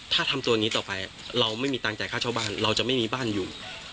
ถ้าทำตัวนี้ต่อไปเราไม่มีตามใจข้าวชาวบ้านเราจะไม่มีบ้านอยู่